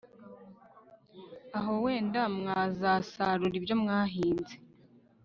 aho wenda mwazasarura ibyo mwahinze